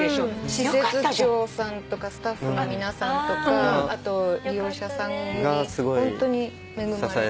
施設長さんとかスタッフの皆さんとか利用者さんにホントに恵まれて。